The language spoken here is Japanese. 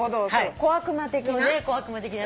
小悪魔的な？